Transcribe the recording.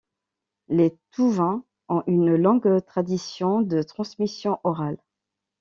Les Touvains ont une longue tradition de transmission orale.